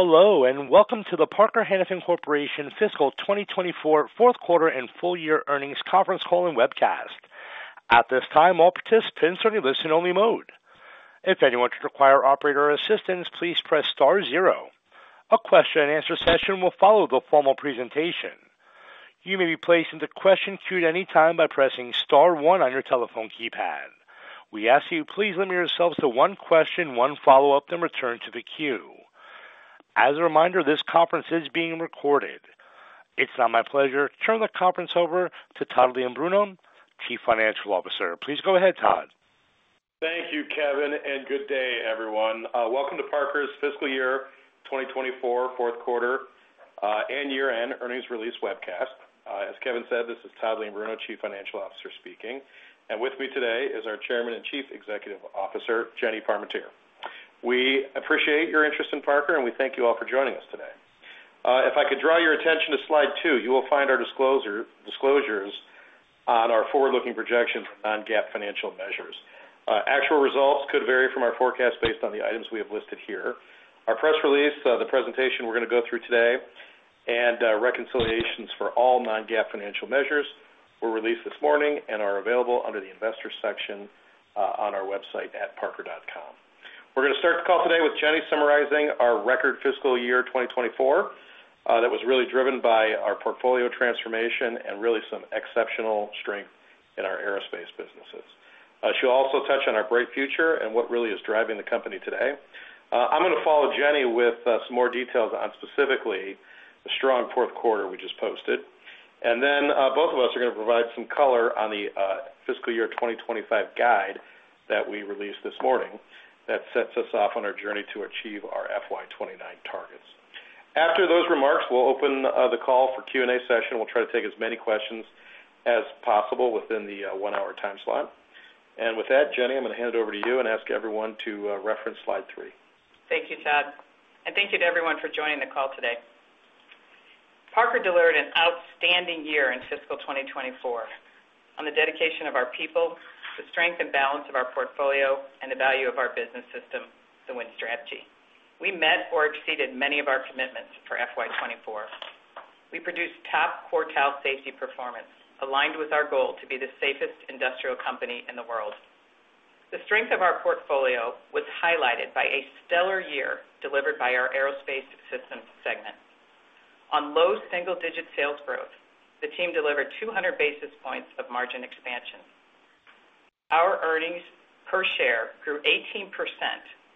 Hello, and welcome to the Parker Hannifin Corporation Fiscal 2024 Fourth Quarter and Full Year Earnings Conference Call and Webcast. At this time, all participants are in listen-only mode. If anyone should require operator assistance, please press star zero. A question-and-answer session will follow the formal presentation. You may be placed into the question queue at any time by pressing star one on your telephone keypad. We ask you, please limit yourselves to one question, one follow-up, then return to the queue. As a reminder, this conference is being recorded. It's now my pleasure to turn the conference over to Todd Leombruno, Chief Financial Officer. Please go ahead, Todd. Thank you, Kevin, and good day, everyone. Welcome to Parker's fiscal year 2024 fourth quarter and year-end earnings release webcast. As Kevin said, this is Todd Leombruno, Chief Financial Officer speaking, and with me today is our Chairman and Chief Executive Officer, Jenny Parmentier. We appreciate your interest in Parker, and we thank you all for joining us today. If I could draw your attention to Slide 2, you will find our disclosures on our forward-looking projections on GAAP financial measures. Actual results could vary from our forecast based on the items we have listed here. Our press release, the presentation we're going to go through today, and reconciliations for all non-GAAP financial measures were released this morning and are available under the Investors section on our website at parker.com. We're going to start the call today with Jenny summarizing our record fiscal year 2024, that was really driven by our portfolio transformation and really some exceptional strength in our aerospace businesses. She'll also touch on our bright future and what really is driving the company today. I'm going to follow Jenny with some more details on specifically the strong fourth quarter we just posted. And then, both of us are going to provide some color on the fiscal year 2025 guide that we released this morning that sets us off on our journey to achieve our FY2029 targets. After those remarks, we'll open the call for Q&A session. We'll try to take as many questions as possible within the 1-hour time slot. With that, Jenny, I'm going to hand it over to you and ask everyone to reference Slide 3. Thank you, Todd, and thank you to everyone for joining the call today. Parker delivered an outstanding year in fiscal 2024 on the dedication of our people, the strength and balance of our portfolio, and the value of our business system, the Win Strategy. We met or exceeded many of our commitments for FY2024. We produced top quartile safety performance, aligned with our goal to be the safest industrial company in the world. The strength of our portfolio was highlighted by a stellar year delivered by our Aerospace Systems segment. On low single-digit sales growth, the team delivered 200 basis points of margin expansion. Our earnings per share grew 18%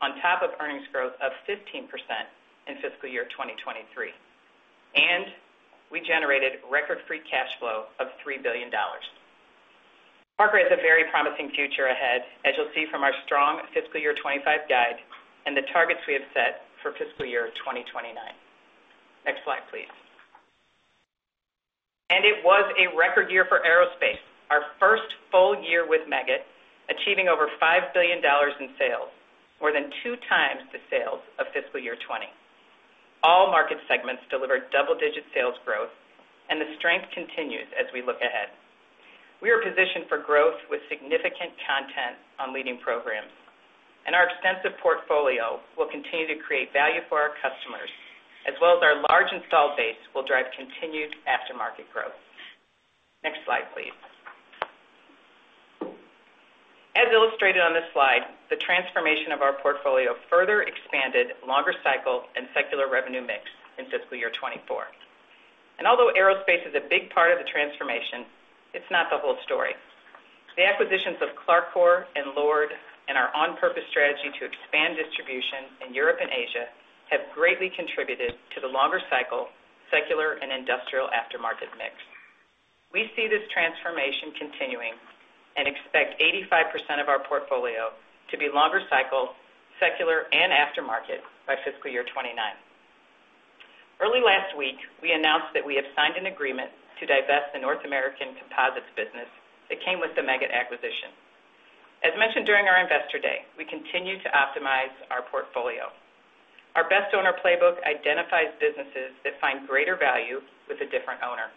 on top of earnings growth of 15% in fiscal year 2023, and we generated record free cash flow of $3 billion. Parker has a very promising future ahead, as you'll see from our strong fiscal year 2025 guide and the targets we have set for fiscal year 2029. Next slide, please. It was a record year for aerospace, our first full year with Meggitt, achieving over $5 billion in sales, more than two times the sales of fiscal year 2020. All market segments delivered double-digit sales growth, and the strength continues as we look ahead. We are positioned for growth with significant content on leading programs, and our extensive portfolio will continue to create value for our customers, as well as our large installed base will drive continued aftermarket growth. Next slide, please. As illustrated on this slide, the transformation of our portfolio further expanded longer cycle and secular revenue mix in fiscal year 2024. Although aerospace is a big part of the transformation, it's not the whole story. The acquisitions of Clarcor and Lord, and our on-purpose strategy to expand distribution in Europe and Asia, have greatly contributed to the longer cycle, secular and industrial aftermarket mix. We see this transformation continuing and expect 85% of our portfolio to be longer cycle, secular, and aftermarket by fiscal year 2029. Early last week, we announced that we have signed an agreement to divest the North American composites business that came with the Meggitt acquisition. As mentioned during our Investor Day, we continue to optimize our portfolio. Our best owner playbook identifies businesses that find greater value with a different owner.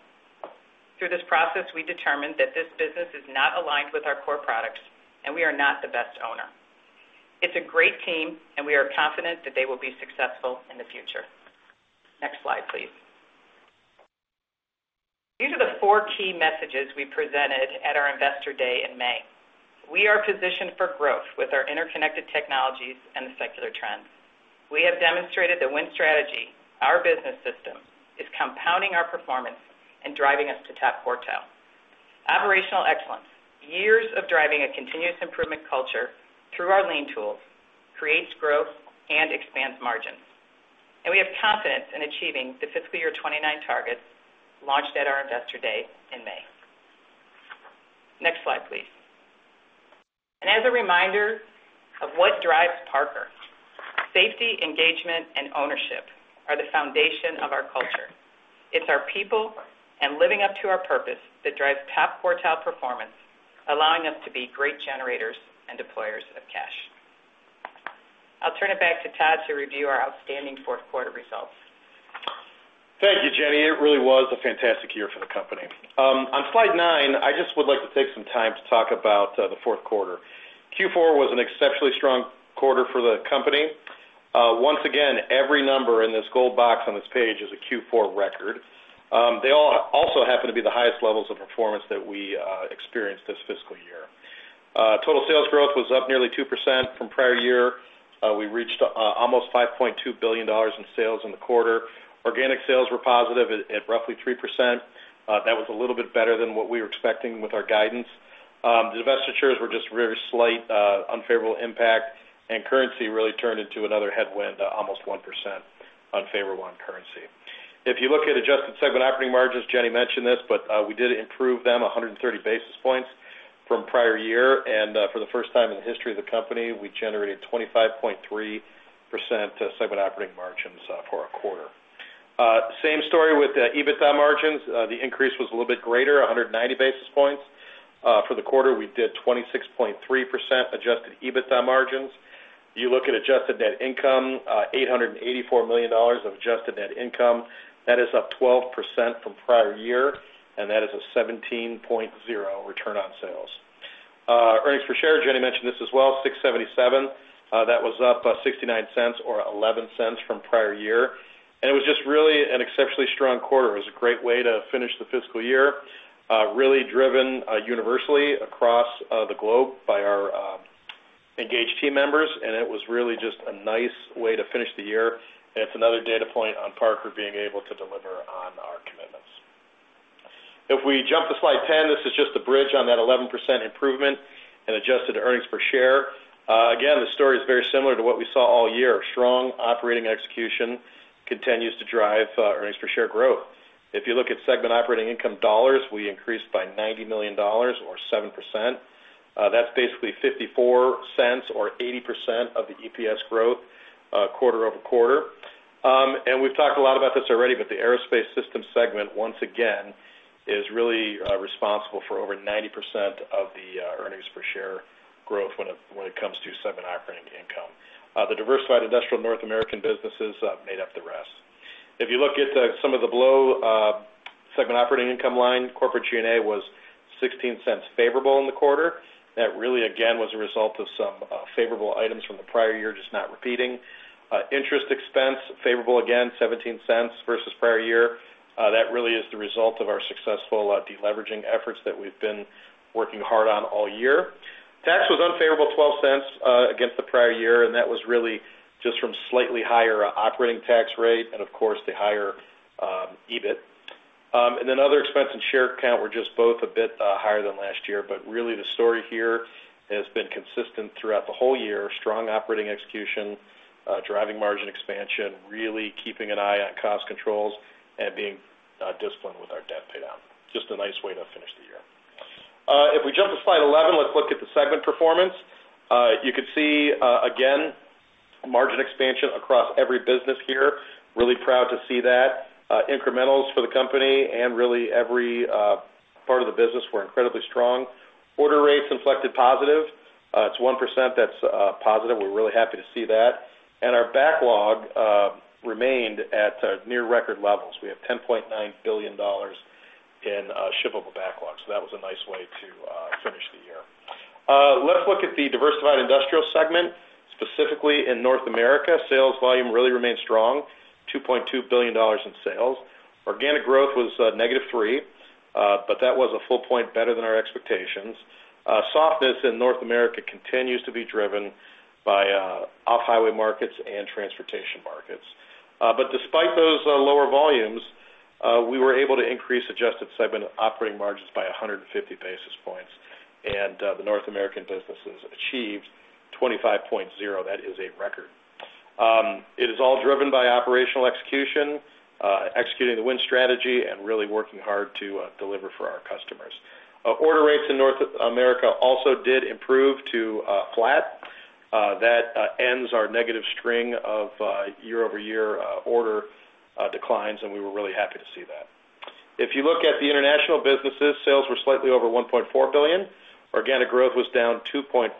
Through this process, we determined that this business is not aligned with our core products, and we are not the best owner. It's a great team, and we are confident that they will be successful in the future. Next slide, please. These are the four key messages we presented at our Investor Day in May. We are positioned for growth with our interconnected technologies and the secular trends. We have demonstrated the Win Strategy, our business system, is compounding our performance and driving us to top quartile. Operational excellence, years of driving a continuous improvement culture through our lean tools, creates growth and expands margins, and we have confidence in achieving the fiscal year 2029 targets launched at our Investor Day in May. Next slide, please. As a reminder of what drives Parker, safety, engagement, and ownership are the foundation of our culture. It's our people and living up to our purpose that drives top quartile performance, allowing us to be great generators and deployers of cash. I'll turn it back to Todd to review our outstanding fourth quarter results.... Thank you, Jenny. It really was a fantastic year for the company. On slide nine, I just would like to take some time to talk about the fourth quarter. Q4 was an exceptionally strong quarter for the company. Once again, every number in this gold box on this page is a Q4 record. They all also happen to be the highest levels of performance that we experienced this fiscal year. Total sales growth was up nearly 2% from prior year. We reached almost $5.2 billion in sales in the quarter. Organic sales were positive at roughly 3%. That was a little bit better than what we were expecting with our guidance. The divestitures were just very slight unfavorable impact, and currency really turned into another headwind, almost 1% unfavorable on currency. If you look at adjusted segment operating margins, Jenny mentioned this, but we did improve them 130 basis points from prior year. And for the first time in the history of the company, we generated 25.3% segment operating margins for our quarter. Same story with the EBITDA margins. The increase was a little bit greater, 190 basis points. For the quarter, we did 26.3% adjusted EBITDA margins. You look at adjusted net income, $884 million of adjusted net income. That is up 12% from prior year, and that is a 17.0 return on sales. Earnings per share, Jenny mentioned this as well, $6.77. That was up $0.69 or 11% from prior year, and it was just really an exceptionally strong quarter. It was a great way to finish the fiscal year, really driven universally across the globe by our engaged team members, and it was really just a nice way to finish the year. It's another data point on Parker being able to deliver on our commitments. If we jump to Slide 10, this is just a bridge on that 11% improvement and adjusted earnings per share. Again, the story is very similar to what we saw all year. Strong operating execution continues to drive earnings per share growth. If you look at segment operating income dollars, we increased by $90 million or 7%. That's basically $0.54 or 80% of the EPS growth, quarter-over-quarter. And we've talked a lot about this already, but the Aerospace Systems segment, once again, is really responsible for over 90% of the earnings per share growth when it comes to segment operating income. The Diversified Industrial North American businesses made up the rest. If you look at some of the below segment operating income line, corporate G&A was $0.16 favorable in the quarter. That really, again, was a result of some favorable items from the prior year, just not repeating. Interest expense, favorable again, $0.17 versus prior year. That really is the result of our successful deleveraging efforts that we've been working hard on all year. Tax was unfavorable, $0.12 against the prior year, and that was really just from slightly higher operating tax rate and, of course, the higher EBIT. And then other expense and share count were just both a bit higher than last year. But really, the story here has been consistent throughout the whole year. Strong operating execution driving margin expansion, really keeping an eye on cost controls and being disciplined with our debt paydown. Just a nice way to finish the year. If we jump to Slide 11, let's look at the segment performance. You can see again, margin expansion across every business here. Really proud to see that. Incrementals for the company and really every part of the business were incredibly strong. Order rates inflected positive. It's 1%, that's positive. We're really happy to see that. Our backlog remained at near record levels. We have $10.9 billion in shippable backlog, so that was a nice way to finish the year. Let's look at the Diversified Industrial segment, specifically in North America. Sales volume really remained strong, $2.2 billion in sales. Organic growth was -3%, but that was a full point better than our expectations. Softness in North America continues to be driven by off-highway markets and transportation markets. But despite those lower volumes, we were able to increase adjusted segment operating margins by 150 basis points, and the North American businesses achieved 25.0%. That is a record. It is all driven by operational execution, executing the Win Strategy, and really working hard to deliver for our customers. Order rates in North America also did improve to flat. That ends our negative string of year-over-year order declines, and we were really happy to see that. If you look at the international businesses, sales were slightly over $1.4 billion. Organic growth was down 2.5%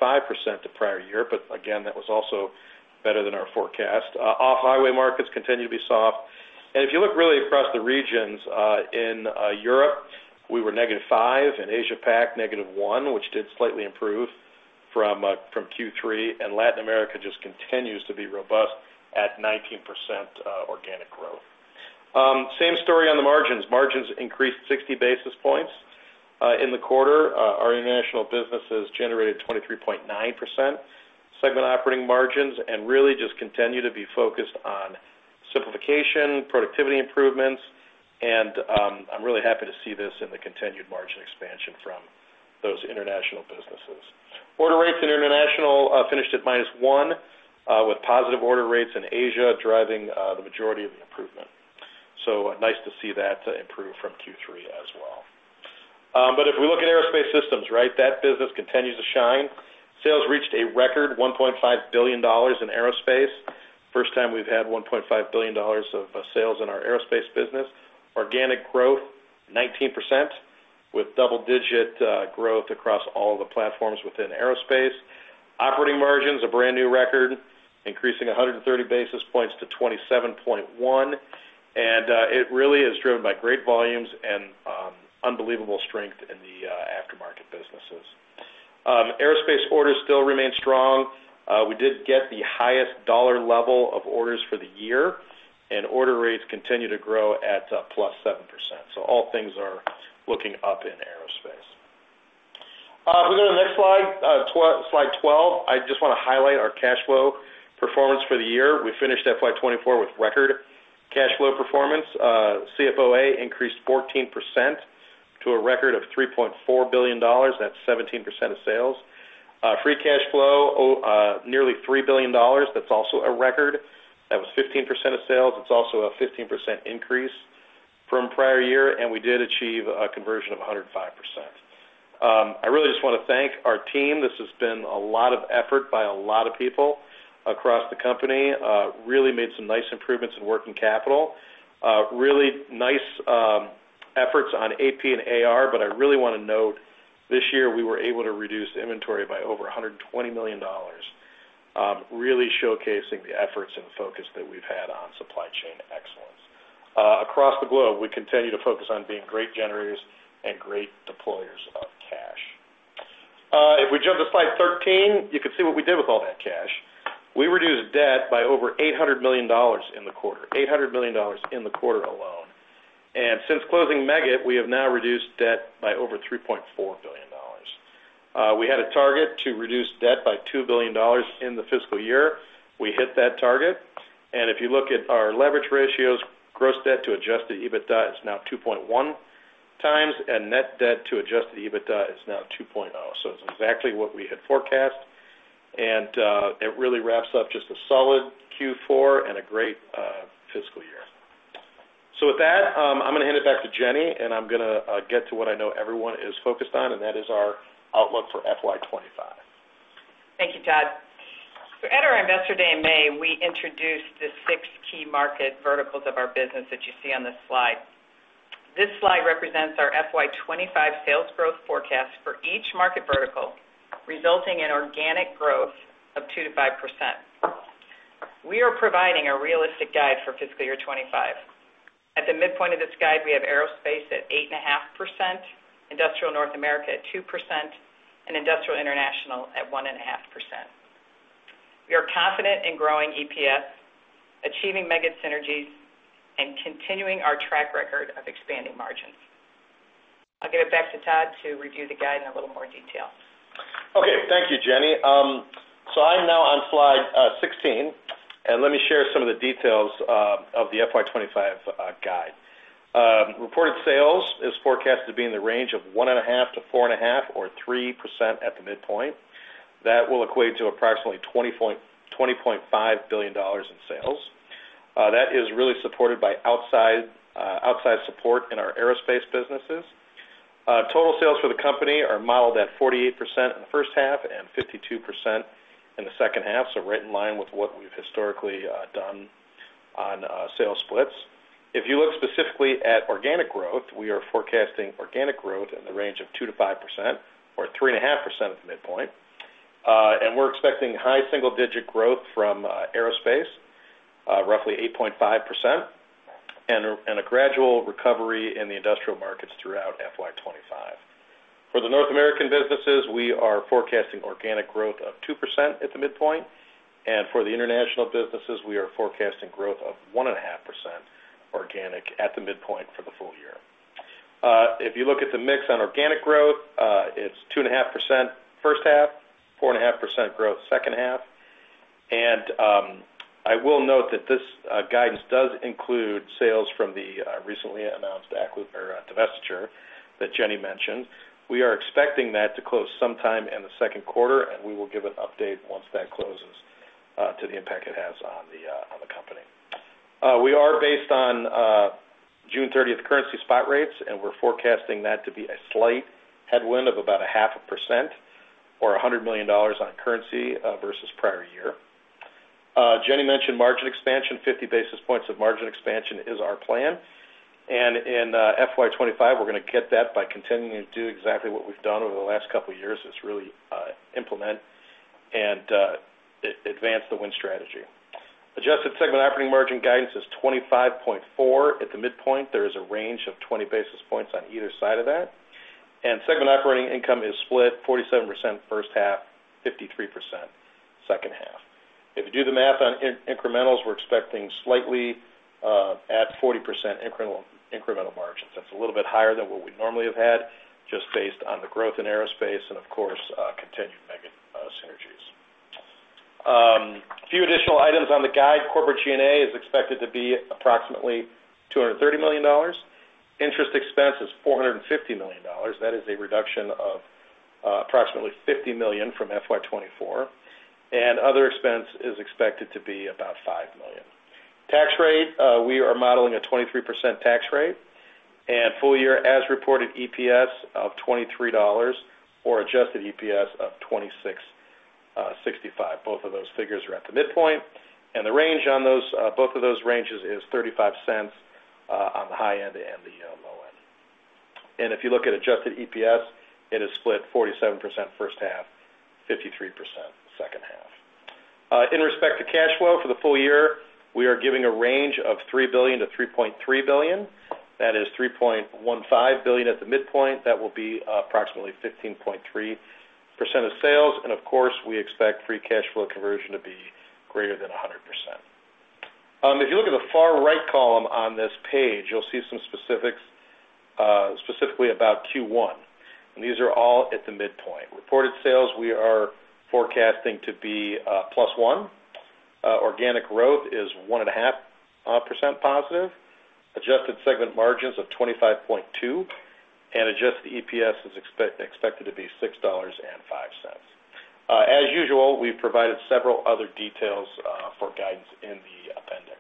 to prior year, but again, that was also better than our forecast. Off-highway markets continue to be soft. If you look really across the regions, in Europe, we were -5%, in Asia Pac, -1%, which did slightly improve from Q3, and Latin America just continues to be robust at 19% organic growth. Same story on the margins. Margins increased 60 basis points in the quarter. Our international businesses generated 23.9% segment operating margins and really just continue to be focused on simplification, productivity improvements, and I'm really happy to see this in the continued margin expansion from those international businesses. Order rates in international finished at -1 with positive order rates in Asia, driving the majority of the improvement. So nice to see that improve from Q3 as well. But if we look at Aerospace Systems, right, that business continues to shine. Sales reached a record $1.5 billion in Aerospace. First time we've had $1.5 billion of sales in our Aerospace business. Organic growth, 19% with double-digit growth across all the platforms within Aerospace. Operating margins, a brand-new record, increasing 130 basis points to 27.1, and it really is driven by great volumes and unbelievable strength in the aftermarket businesses. Aerospace orders still remain strong. We did get the highest dollar level of orders for the year, and order rates continue to grow at +7%. So all things are looking up in aerospace. If we go to the next slide, Slide 12, I just want to highlight our cash flow performance for the year. We finished FY2024 with record cash flow performance. CFOA increased 14% to a record of $3.4 billion. That's 17% of sales. Free cash flow nearly $3 billion. That's also a record. That was 15% of sales. It's also a 15% increase from prior year, and we did achieve a conversion of 105%. I really just want to thank our team. This has been a lot of effort by a lot of people across the company. Really made some nice improvements in working capital. Really nice efforts on AP and AR, but I really want to note, this year, we were able to reduce inventory by over $120 million, really showcasing the efforts and focus that we've had on supply chain excellence. Across the globe, we continue to focus on being great generators and great deployers of cash. If we jump to Slide 13, you can see what we did with all that cash. We reduced debt by over $800 million in the quarter, $800 million in the quarter alone. And since closing Meggitt, we have now reduced debt by over $3.4 billion. We had a target to reduce debt by $2 billion in the fiscal year. We hit that target. And if you look at our leverage ratios, gross debt to adjusted EBITDA is now 2.1 times, and net debt to adjusted EBITDA is now 2.0. So it's exactly what we had forecast, and it really wraps up just a solid Q4 and a great fiscal year. So with that, I'm gonna hand it back to Jenny, and I'm gonna get to what I know everyone is focused on, and that is our outlook for F2025. Thank you, Todd. At our Investor Day in May, we introduced the six key market verticals of our business that you see on this slide. This slide represents our FY2025 sales growth forecast for each market vertical, resulting in organic growth of 2%-5%. We are providing a realistic guide for fiscal year 2025. At the midpoint of this guide, we have aerospace at 8.5%, industrial North America at 2%, and industrial international at 1.5%. We are confident in growing EPS, achieving Meggitt synergies, and continuing our track record of expanding margins. I'll give it back to Todd to review the guide in a little more detail. Okay. Thank you, Jenny. So I'm now on Slide 16, and let me share some of the details of the FY2025 guide. Reported sales is forecasted to be in the range of 1.5%-4.5%, or 3% at the midpoint. That will equate to approximately $20.2-$20.5 billion in sales. That is really supported by outsized support in our aerospace businesses. Total sales for the company are modeled at 48% in the first half and 52% in the second half, so right in line with what we've historically done on sales splits. If you look specifically at organic growth, we are forecasting organic growth in the range of 2%-5% or 3.5% at the midpoint. And we're expecting high single-digit growth from aerospace, roughly 8.5%, and a gradual recovery in the industrial markets throughout FY2025. For the North American businesses, we are forecasting organic growth of 2% at the midpoint, and for the international businesses, we are forecasting growth of 1.5% organic at the midpoint for the full year. If you look at the mix on organic growth, it's 2.5% first half, 4.5% growth second half. And I will note that this guidance does include sales from the recently announced Acclivor divestiture that Jenny mentioned. We are expecting that to close sometime in the second quarter, and we will give an update once that closes to the impact it has on the company. We are based on June 30th currency spot rates, and we're forecasting that to be a slight headwind of about 0.5% or $100 million on currency versus prior year. Jenny mentioned margin expansion. 50 basis points of margin expansion is our plan, and in FY2025, we're gonna get that by continuing to do exactly what we've done over the last couple of years, is really implement and advance the Win Strategy. Adjusted segment operating margin guidance is 25.4 at the midpoint. There is a range of 20 basis points on either side of that. And segment operating income is split 47% first half, 53% second half. If you do the math on incrementals, we're expecting slightly at 40% incremental, incremental margins. That's a little bit higher than what we normally have had, just based on the growth in aerospace and, of course, continued Meggitt synergies. A few additional items on the guide. Corporate G&A is expected to be approximately $230 million. Interest expense is $450 million. That is a reduction of approximately $50 million from FY2024, and other expense is expected to be about $5 million. Tax rate, we are modeling a 23% tax rate, and full year as reported EPS of $23, or adjusted EPS of $26.65. Both of those figures are at the midpoint, and the range on those, both of those ranges is 35 cents on the high end and the low end. And if you look at Adjusted EPS, it is split 47% first half, 53% second half. In respect to cash flow for the full year, we are giving a range of $3 billion-$3.3 billion. That is $3.15 billion at the midpoint. That will be approximately 15.3% of sales. And of course, we expect free cash flow conversion to be greater than 100%. If you look at the far right column on this page, you'll see some specifics, specifically about Q1, and these are all at the midpoint. Reported sales, we are forecasting to be +1. Organic growth is 1.5% positive. Adjusted segment margins of 25.2, and Adjusted EPS is expected to be $6.05. As usual, we've provided several other details for guidance in the appendix.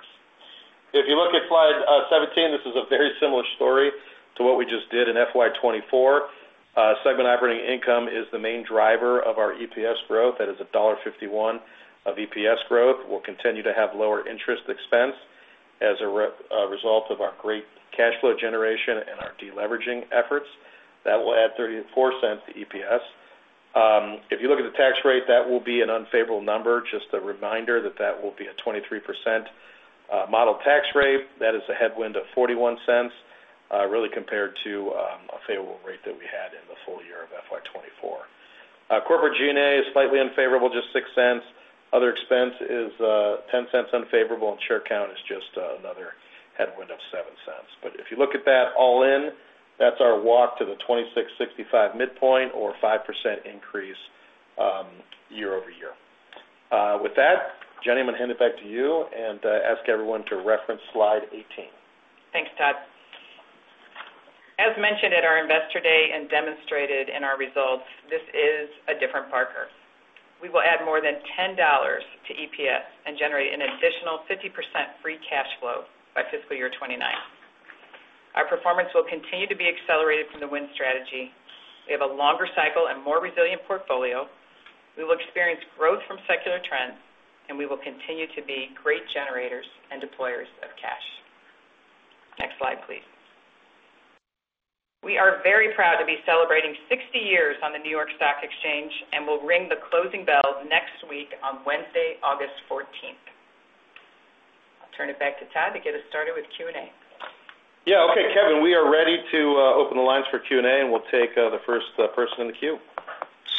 If you look at Slide 17, this is a very similar story to what we just did in FY2024. Segment operating income is the main driver of our EPS growth. That is $1.51 of EPS growth. We'll continue to have lower interest expense as a result of our great cash flow generation and our deleveraging efforts. That will add $0.34 to EPS. If you look at the tax rate, that will be an unfavorable number. Just a reminder that that will be a 23% model tax rate. That is a headwind of $0.41, really compared to a favorable rate that we had in the full year of FY2024. Corporate G&A is slightly unfavorable, just $0.06. Other expense is $0.10 unfavorable, and share count is just another headwind of $0.07. But if you look at that all in, that's our walk to the $2.665 midpoint or 5% increase, year-over-year. With that, Jenny, I'm going to hand it back to you and ask everyone to reference Slide 18. Thanks, Todd. As mentioned at our Investor Day and demonstrated in our results, this is a different Parker. We will add more than $10 to EPS and generate an additional 50% free cash flow by fiscal year 2029. Our performance will continue to be accelerated from the WIN strategy. We have a longer cycle and more resilient portfolio. We will experience growth from secular trends, and we will continue to be great generators and deployers of cash. Next slide, please. We are very proud to be celebrating 60 years on the New York Stock Exchange, and we'll ring the closing bell next week on Wednesday, August 14th. I'll turn it back to Todd to get us started with Q&A. Yeah. Okay, Kevin, we are ready to open the lines for Q&A, and we'll take the first person in the queue.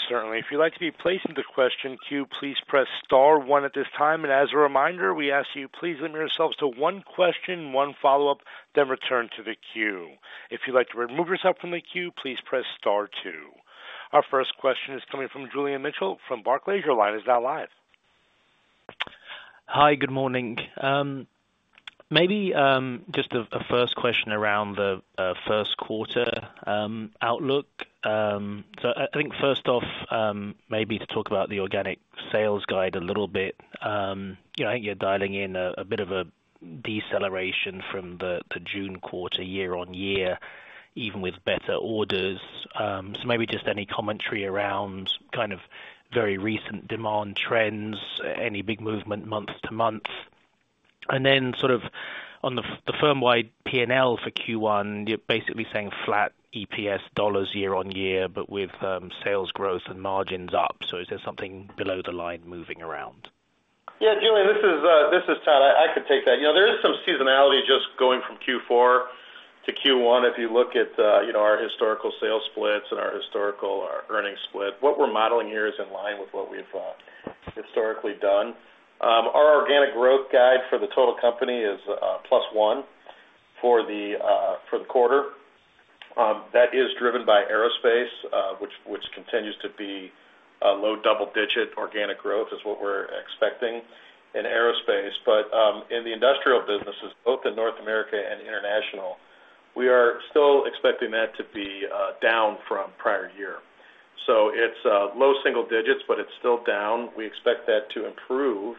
Certainly. If you'd like to be placed into question queue, please press star one at this time, and as a reminder, we ask you, please limit yourselves to one question, one follow-up, then return to the queue. If you'd like to remove yourself from the queue, please press star two. Our first question is coming from Julian Mitchell from Barclays. Your line is now live. Hi, good morning. Maybe just a first question around the first quarter outlook. So I think first off, maybe to talk about the organic sales guide a little bit. You know, I think you're dialing in a bit of a deceleration from the June quarter, year-on-year, even with better orders. So maybe just any commentary around kind of very recent demand trends, any big movement month-to-month? And then sort of on the firm-wide PNL for Q1, you're basically saying flat EPS dollars year-on-year, but with sales growth and margins up. So is there something below the line moving around? Yeah, Julian, this is Todd. I could take that. You know, there is some seasonality just going from Q4 to Q1. If you look at, you know, our historical sales splits and our historical, our earnings split, what we're modeling here is in line with what we've historically done. Our organic growth guide for the total company is +1% for the quarter. That is driven by aerospace, which continues to be a low double-digit organic growth, is what we're expecting in aerospace. But, in the industrial businesses, both in North America and International, we are still expecting that to be down from prior year. So it's low single digits, but it's still down. We expect that to improve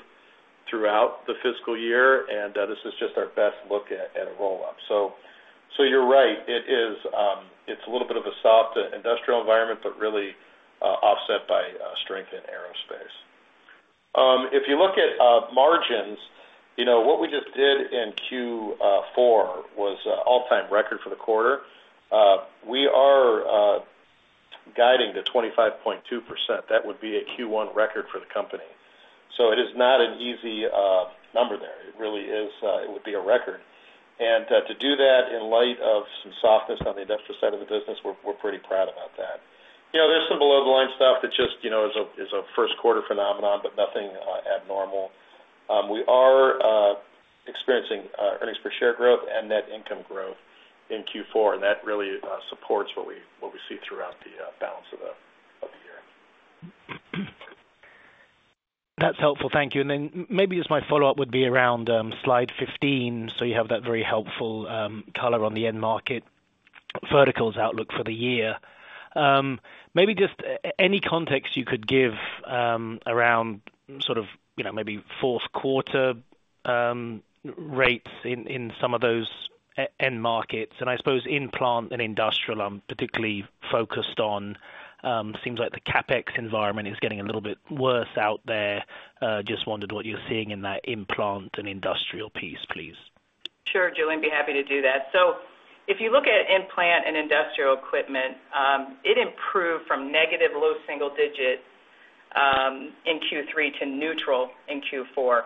throughout the fiscal year, and this is just our best look at a roll-up. So you're right, it is, it's a little bit of a soft industrial environment, but really offset by strength in aerospace. If you look at margins, you know, what we just did in Q4 was all-time record for the quarter. We are guiding to 25.2%. That would be a Q1 record for the company. So it is not an easy number there. It really is, it would be a record. And to do that in light of some softness on the industrial side of the business, we're pretty proud about that. You know, there's some below-the-line stuff that just, you know, is a first quarter phenomenon, but nothing abnormal. We are experiencing earnings per share growth and net income growth in Q4, and that really supports what we see throughout the balance of the year. That's helpful. Thank you. And then maybe just my follow-up would be around Slide 15. So you have that very helpful color on the end market verticals outlook for the year. Maybe just any context you could give around sort of, you know, maybe fourth quarter rates in some of those end markets, and I suppose in plant and industrial, I'm particularly focused on. Seems like the CapEx environment is getting a little bit worse out there. Just wondered what you're seeing in that in-plant and industrial piece, please. Sure, Julian, be happy to do that. So if you look at in-plant and industrial equipment, it improved from negative low single digit in Q3 to neutral in Q4. And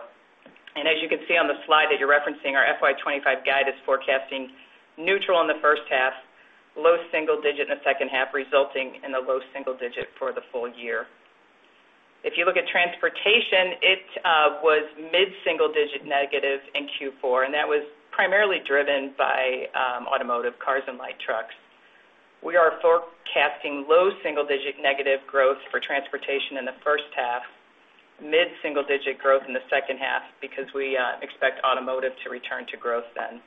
as you can see on the slide that you're referencing, our FY2025 guide is forecasting neutral in the first half, low single digit in the second half, resulting in the low single digit for the full year. If you look at transportation, it was mid-single digit negative in Q4, and that was primarily driven by automotive, cars and light trucks. We are forecasting low single digit negative growth for transportation in the first half, mid-single digit growth in the second half, because we expect automotive to return to growth then.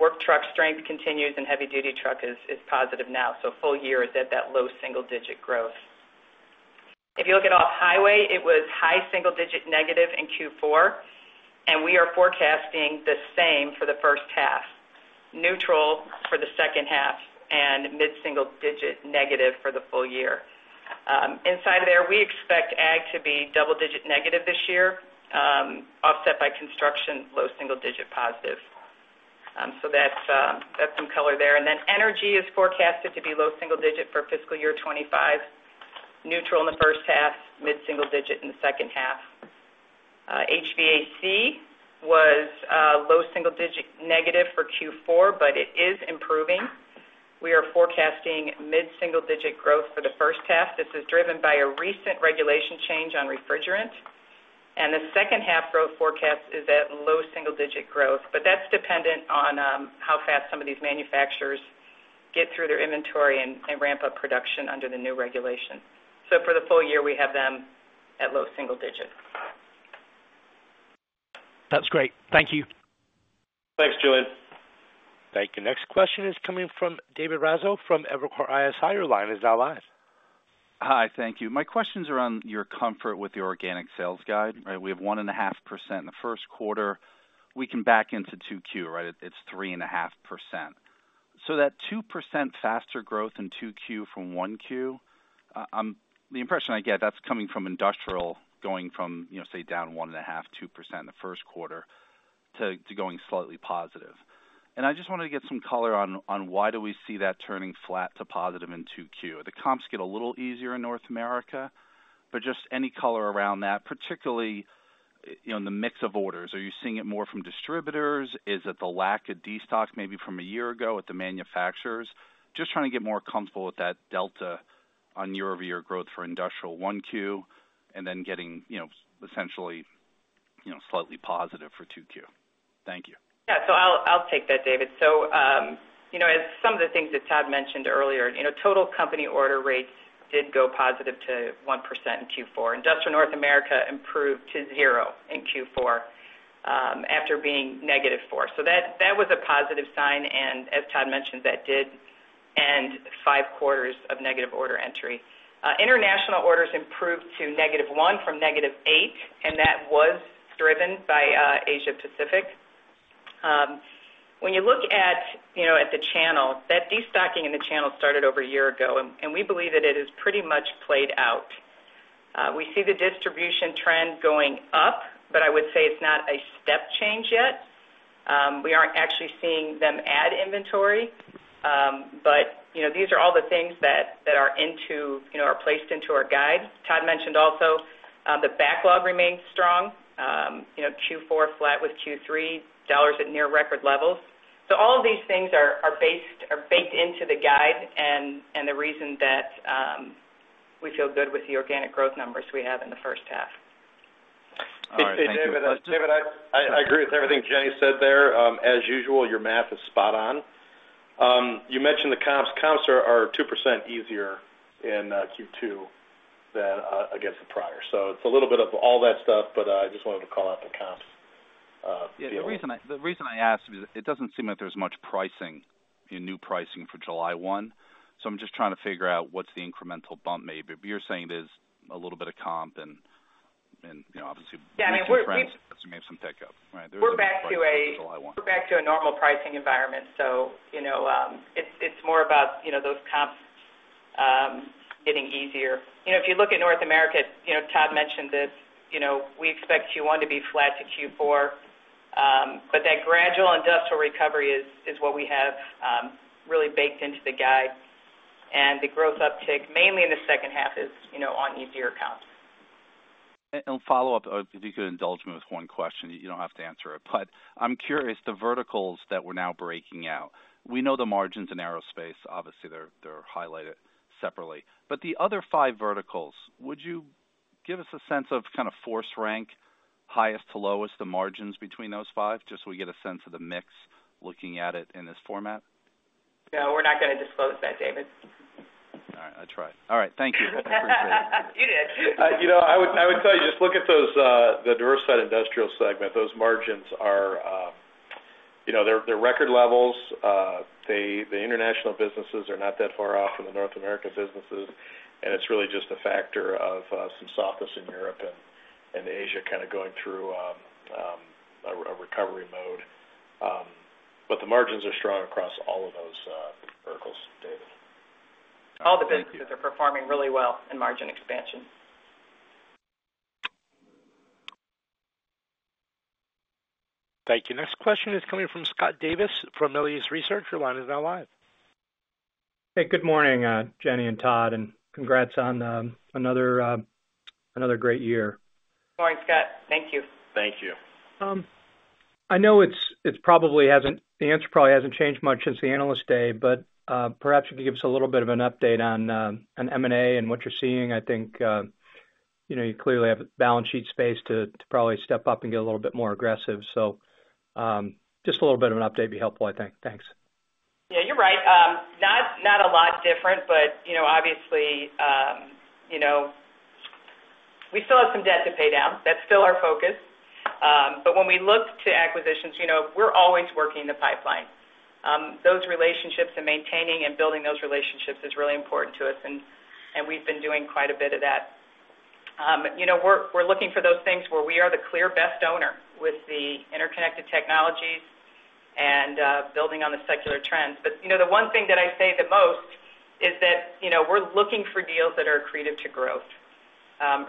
Work truck strength continues, and heavy-duty truck is positive now, so full year is at that low single digit growth. If you look at off-highway, it was high single-digit negative in Q4, and we are forecasting the same for the first half, neutral for the second half, and mid-single-digit negative for the full year. Inside of there, we expect ag to be double-digit negative this year, offset by construction, low single-digit positive. So that's some color there. And then energy is forecasted to be low single-digit for fiscal year 2025, neutral in the first half, mid-single-digit in the second half. HVAC was low single-digit negative for Q4, but it is improving. We are forecasting mid-single-digit growth for the first half. This is driven by a recent regulation change on refrigerant, and the second half growth forecast is at low single-digit growth. But that's dependent on how fast some of these manufacturers get through their inventory and ramp up production under the new regulation. So for the full year, we have them at low single digit. That's great. Thank you. Thanks, Julian. Thank you. Next question is coming from David Raso from Evercore ISI. Your line is now live. Hi, thank you. My questions are on your comfort with the organic sales guide, right? We have 1.5% in the first quarter. We can back into 2Q, right? It's 3.5%. So that 2% faster growth in 2Q from 1Q, the impression I get, that's coming from industrial, going from, you know, say, down 1.5%-2% in the first quarter to going slightly positive. And I just wanted to get some color on why do we see that turning flat to positive in 2Q? The comps get a little easier in North America, but just any color around that, particularly, you know, in the mix of orders. Are you seeing it more from distributors? Is it the lack of destocks, maybe from a year ago, with the manufacturers? Just trying to get more comfortable with that delta on year-over-year growth for industrial 1Q, and then getting, you know, essentially, you know, slightly positive for 2Q. Thank you. Yeah, so I'll take that, David. So, you know, as some of the things that Todd mentioned earlier, you know, total company order rates did go positive to 1% in Q4. Industrial North America improved to 0 in Q4, after being -4. So that was a positive sign, and as Todd mentioned, that did end 5 quarters of negative order entry. International orders improved to -1 from -8, and that was driven by Asia Pacific. When you look at, you know, the channel, that destocking in the channel started over a year ago, and we believe that it is pretty much played out. We see the distribution trend going up, but I would say it's not a step change yet. We aren't actually seeing them add inventory, but, you know, these are all the things that are into, you know, are placed into our guide. Todd mentioned also, the backlog remains strong, you know, Q4 flat with Q3, dollars at near record levels. So all of these things are, are based- are baked into the guide and, and the reason that, we feel good with the organic growth numbers we have in the first half. All right. Thank you. David, I agree with everything Jenny said there. As usual, your math is spot on. You mentioned the comps. Comps are 2% easier in Q2 than against the prior. So it's a little bit of all that stuff, but I just wanted to call out the comps deal. Yeah, the reason I ask is it doesn't seem like there's much pricing in new pricing for July 1. So I'm just trying to figure out what's the incremental bump maybe. But you're saying it is a little bit of comp and obviously- Yeah, and we're- Maybe some pickup, right? We're back to a- July 1. We're back to a normal pricing environment, so, you know, it's more about, you know, those comps getting easier. You know, if you look at North America, you know, Todd mentioned this, you know, we expect Q1 to be flat to Q4, but that gradual industrial recovery is what we have really baked into the guide. And the growth uptick, mainly in the second half, is, you know, on easier comps. And follow up, if you could indulge me with one question, you don't have to answer it. But I'm curious, the verticals that we're now breaking out, we know the margins in Aerospace. Obviously, they're highlighted separately. But the other five verticals, would you give us a sense of kind of force rank, highest to lowest, the margins between those five, just so we get a sense of the mix looking at it in this format? No, we're not gonna disclose that, David. All right, I tried. All right, thank you. I appreciate it. You did. You know, I would tell you, just look at those, the Diversified Industrial segment. Those margins are, you know, they're record levels. The international businesses are not that far off from the North American businesses, and it's really just a factor of some softness in Europe and Asia kind of going through a recovery mode. But the margins are strong across all of those verticals, David. All the businesses are performing really well in margin expansion. Thank you. Next question is coming from Scott Davis, from Melius Research. Your line is now live. Hey, good morning, Jenny and Todd, and congrats on another great year. Morning, Scott. Thank you. Thank you. I know it probably hasn't changed much since the Analyst Day, but perhaps if you give us a little bit of an update on M&A and what you're seeing. I think you know, you clearly have a balance sheet space to probably step up and get a little bit more aggressive. So just a little bit of an update would be helpful, I think. Thanks. Yeah, you're right. Not a lot different, but, you know, obviously, you know, we still have some debt to pay down. That's still our focus. But when we look to acquisitions, you know, we're always working the pipeline. Those relationships and maintaining and building those relationships is really important to us, and, and we've been doing quite a bit of that. You know, we're, we're looking for those things where we are the clear best owner with the interconnected technologies and building on the secular trends. But, you know, the one thing that I say the most is that, you know, we're looking for deals that are accretive to growth,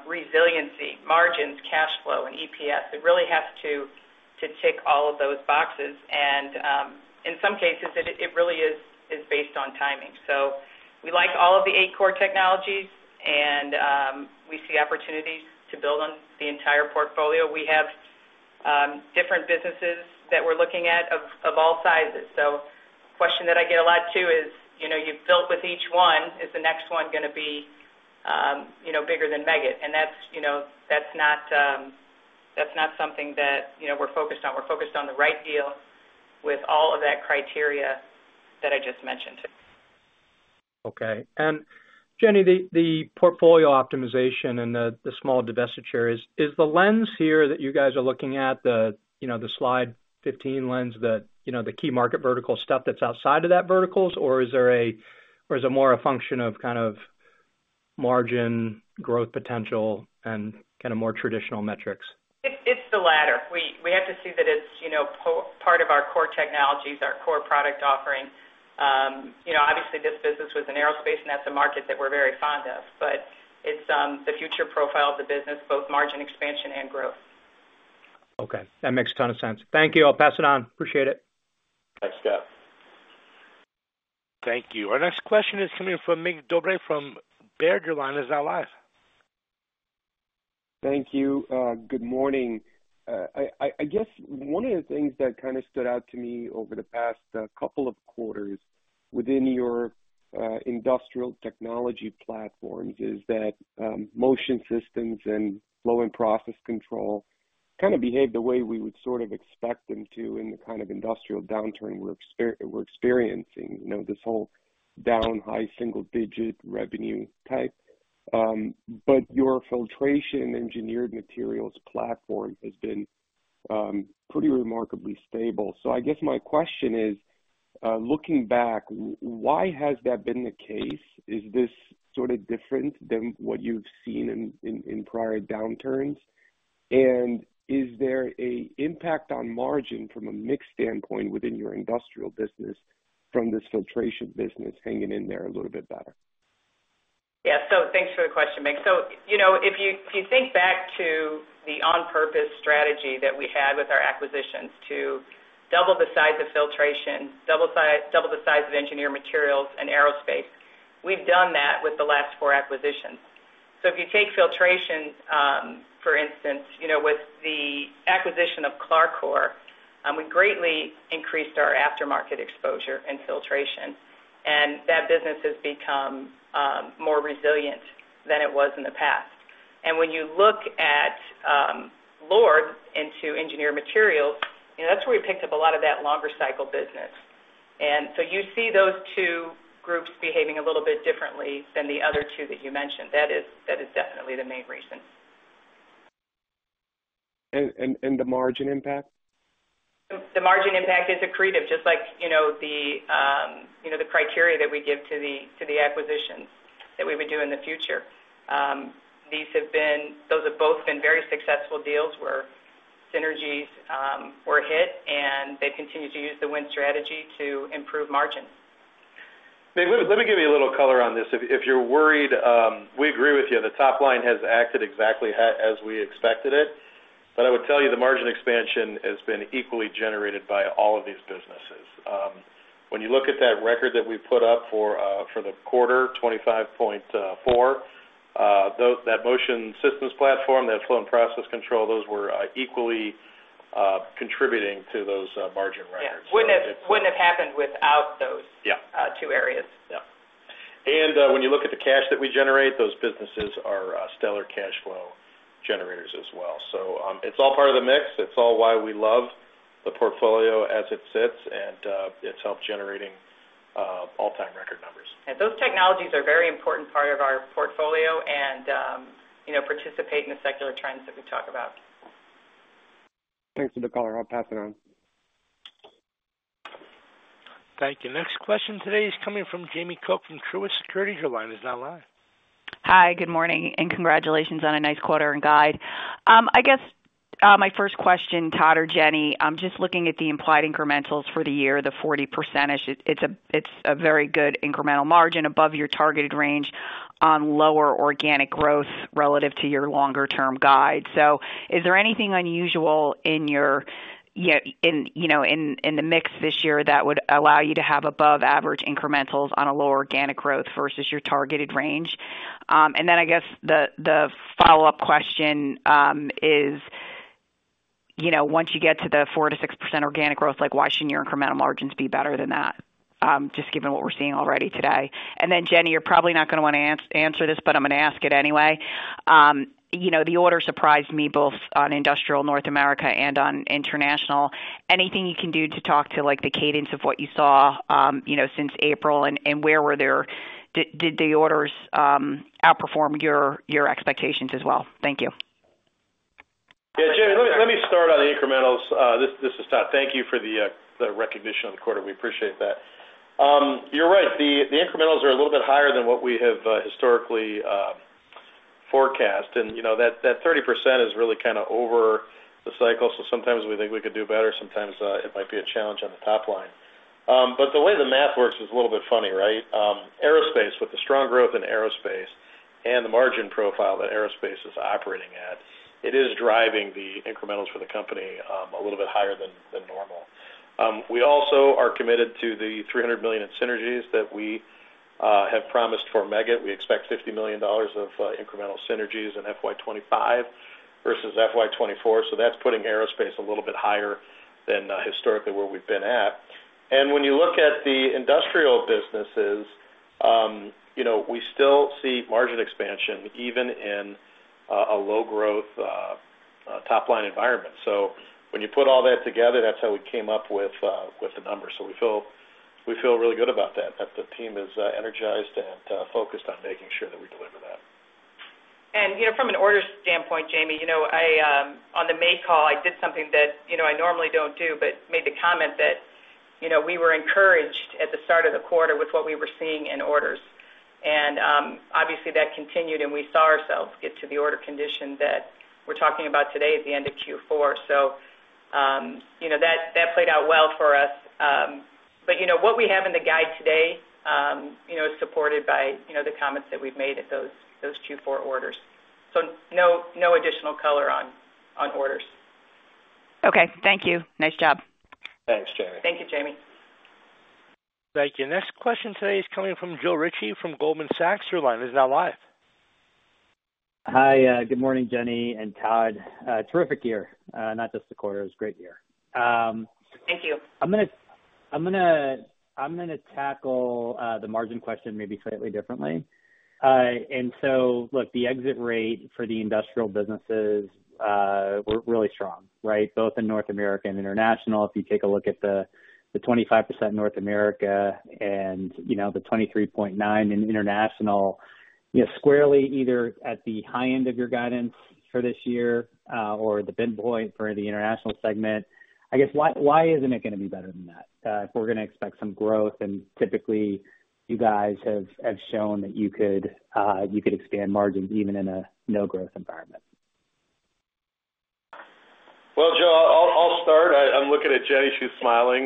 resiliency, margins, cash flow, and EPS. It really has to, to tick all of those boxes, and, in some cases, it, it really is, is based on timing. So we like all of the eight core technologies, and we see opportunities to build on the entire portfolio. We have different businesses that we're looking at of all sizes. So question that I get a lot, too, is, you know, you've built with each one, is the next one gonna be, you know, bigger than Meggitt? And that's, you know, that's not, that's not something that, you know, we're focused on. We're focused on the right deal with all of that criteria that I just mentioned. Okay. And Jenny, the portfolio optimization and the small divestitures, is the lens here that you guys are looking at, you know, the Slide 15 lens, you know, the key market vertical stuff that's outside of that verticals, or is it more a function of kind of margin growth potential and kind of more traditional metrics? It's the latter. We have to see that it's, you know, part of our core technologies, our core product offering. You know, obviously, this business was in aerospace, and that's a market that we're very fond of, but it's the future profile of the business, both margin expansion and growth. Okay, that makes a ton of sense. Thank you. I'll pass it on. Appreciate it. Thanks, Scott. Thank you. Our next question is coming from Mircea Dobre from Baird. Your line is now live. Thank you. Good morning. I guess one of the things that kind of stood out to me over the past couple of quarters within your Industrial Technology Platforms is that Motion Systems and Flow and Process Control kind of behaved the way we would sort of expect them to in the kind of industrial downturn we're experiencing, you know, this whole down high-single-digit revenue type. But your Filtration Engineered Materials platform has been pretty remarkably stable. So I guess my question is, looking back, why has that been the case? Is this sort of different than what you've seen in prior downturns? And is there a impact on margin from a mix standpoint within your industrial business, from this Filtration business hanging in there a little bit better? Yeah. So thanks for the question, Mick. So, you know, if you think back to the on-purpose strategy that we had with our acquisitions to double the size of filtration, double the size of engineered materials and aerospace, we've done that with the last four acquisitions. So if you take filtration, for instance, you know, with the acquisition of Clarcor, we greatly increased our aftermarket exposure in filtration, and that business has become more resilient than it was in the past. And when you look at LORD into engineered materials, you know, that's where we picked up a lot of that longer cycle business. And so you see those two groups behaving a little bit differently than the other two that you mentioned. That is definitely the main reason. The margin impact? The margin impact is accretive, just like, you know, the criteria that we give to the acquisitions that we would do in the future. Those have both been very successful deals where synergies were hit, and they continue to use the Win Strategy to improve margin. Mick, let me, let me give you a little color on this. If, if you're worried, we agree with you. The top line has acted exactly as we expected it, but I would tell you the margin expansion has been equally generated by all of these businesses. When you look at that record that we put up for, for the quarter, 25.4, that Motion Systems platform, that Flow and Process Control, those were, equally, contributing to those, margin records. Yeah, wouldn't have happened without those- Yeah... two areas. Yeah. When you look at the cash that we generate, those businesses are stellar cash flow generators as well. It's all part of the mix. It's all why we love the portfolio as it sits, and it's helped generating all-time record numbers. Those technologies are very important part of our portfolio and, you know, participate in the secular trends that we talk about. Thanks for the color. I'll pass it on.... Thank you. Next question today is coming from Jamie Cook from Truist Securities. Your line is now live. Hi, good morning, and congratulations on a nice quarter and guide. I guess, my first question, Todd or Jenny, I'm just looking at the implied incrementals for the year, the 40%-ish. It's a, it's a very good incremental margin above your targeted range on lower organic growth relative to your longer-term guide. So is there anything unusual in your, you, in, you know, in, in the mix this year that would allow you to have above average incrementals on a lower organic growth versus your targeted range? And then I guess the, the follow-up question, is, you know, once you get to the 4%-6% organic growth, like, why shouldn't your incremental margins be better than that, just given what we're seeing already today? And then, Jenny, you're probably not gonna wanna answer this, but I'm gonna ask it anyway. You know, the order surprised me both on Industrial North America and on International. Anything you can do to talk to, like, the cadence of what you saw, you know, since April, and did the orders outperform your expectations as well? Thank you. Yeah, Jamie, let me start on the incrementals. This is Todd. Thank you for the recognition on the quarter. We appreciate that. You're right, the incrementals are a little bit higher than what we have historically forecast. And, you know, that 30% is really kind of over the cycle, so sometimes we think we could do better, sometimes it might be a challenge on the top line. But the way the math works is a little bit funny, right? Aerospace, with the strong growth in Aerospace and the margin profile that Aerospace is operating at, it is driving the incrementals for the company a little bit higher than normal. We also are committed to the $300 million in synergies that we have promised for Meggitt. We expect $50 million of incremental synergies in FY2025 versus FY2024, so that's putting aerospace a little bit higher than historically where we've been at. And when you look at the industrial businesses, you know, we still see margin expansion, even in a low growth top line environment. So when you put all that together, that's how we came up with with the numbers. So we feel, we feel really good about that, that the team is energized and focused on making sure that we deliver that. You know, from an order standpoint, Jamie, you know, I, on the May call, I did something that, you know, I normally don't do, but made the comment that, you know, we were encouraged at the start of the quarter with what we were seeing in orders. Obviously, that continued, and we saw ourselves get to the order condition that we're talking about today at the end of Q4. So, you know, that, that played out well for us. But, you know, what we have in the guide today, you know, is supported by, you know, the comments that we've made at those, those Q4 orders. So no, no additional color on, on orders. Okay. Thank you. Nice job. Thanks, Jamie. Thank you, Jamie. Thank you. Next question today is coming from Joe Ritchie from Goldman Sachs. Your line is now live. Hi, good morning, Jenny and Todd. Terrific year, not just the quarter. It was a great year. Thank you. I'm gonna tackle the margin question maybe slightly differently. Look, the exit rate for the industrial businesses were really strong, right? Both in North America and International. If you take a look at the 25% North America and, you know, the 23.9% in International, you know, squarely either at the high end of your guidance for this year, or the bend point for the International segment. I guess, why isn't it gonna be better than that? If we're gonna expect some growth, and typically, you guys have shown that you could expand margins even in a no growth environment. Well, Jl, I'll start. I'm looking at Jenny. She's smiling.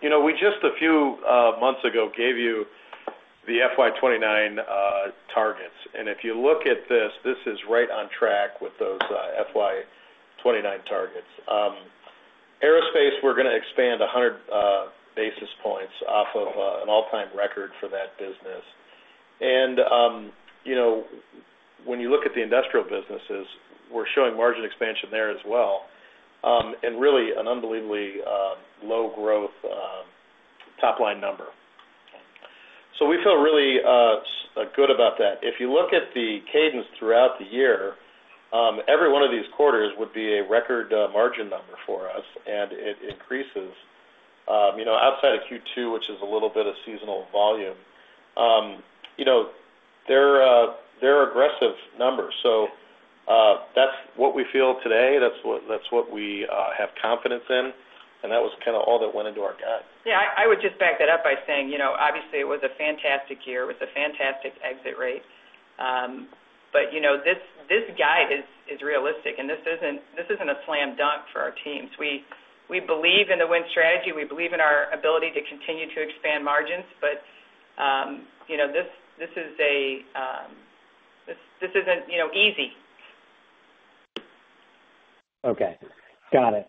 You know, we just a few months ago gave you the FY2029 targets, and if you look at this, this is right on track with those FY2029 targets. Aerospace, we're gonna expand 100 basis points off of an all-time record for that business. And you know, when you look at the industrial businesses, we're showing margin expansion there as well, and really an unbelievably low growth top line number. So we feel really good about that. If you look at the cadence throughout the year, every one of these quarters would be a record margin number for us, and it increases, you know, outside of Q2, which is a little bit of seasonal volume. You know, they're aggressive numbers, so that's what we feel today, that's what, that's what we have confidence in, and that was kind of all that went into our guide. Yeah, I would just back that up by saying, you know, obviously, it was a fantastic year. It was a fantastic exit rate. But, you know, this guide is realistic, and this isn't a slam dunk for our teams. We believe in the Win Strategy. We believe in our ability to continue to expand margins, but, you know, this isn't easy. Okay, got it.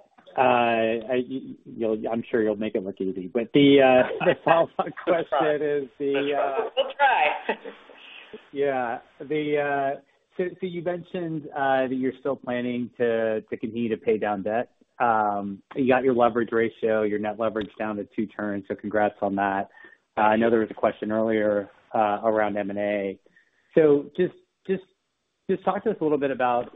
You'll. I'm sure you'll make it look easy. But the follow-up question is the. We'll try. Yeah. So you mentioned that you're still planning to continue to pay down debt. You got your leverage ratio, your net leverage down to 2 turns, so congrats on that. I know there was a question earlier around M&A. So just talk to us a little bit about,